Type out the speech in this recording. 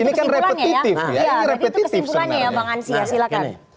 ini kan repetitif sebenarnya